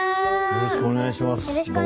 よろしくお願いします。